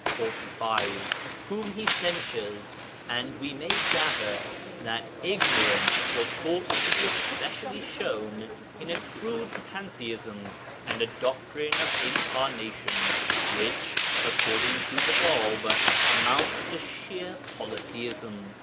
XLV.).] whom he censures, and we may gather that that ignorance was thought to be especially shown in a crude pantheism and a doctrine of incarnation which, according to the Bāb, amounts to sheer polytheism.